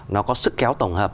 nó có sức kéo tổng hợp